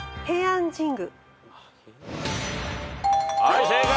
はい正解。